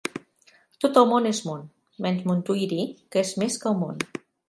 Tot el món és món, menys Montuïri, que és més que el món.